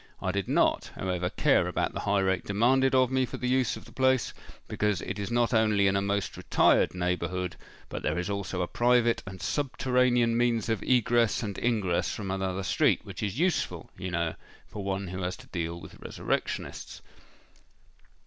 I did not, however, care about the high rate demanded of me for the use of the place, because it is not only in a most retired neighbourhood, but there is also a private and subterranean means of egress and ingress from another street, which is useful, you know, for one who has to deal with resurrectionists."